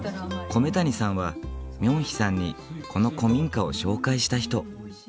米谷さんはミョンヒさんにこの古民家を紹介した人。